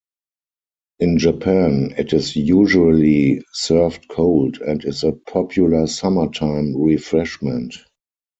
In Japan, it is usually served cold, and is a popular summertime refreshment.